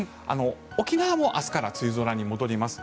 沖縄も明日から梅雨空に戻ります。